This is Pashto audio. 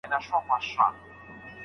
پر سلیمې باندې طلاق کله واقع کیږي؟